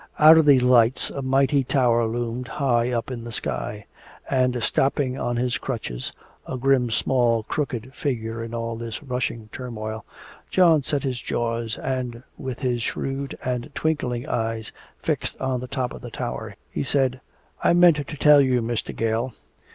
Out of these lights a mighty tower loomed high up into the sky. And stopping on his crutches, a grim small crooked figure in all this rushing turmoil, John set his jaws, and with his shrewd and twinkling eyes fixed on the top of the tower, he said, "I meant to tell you, Mr. Gale.